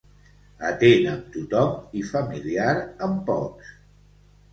Atent amb tothom i familiar amb pocs.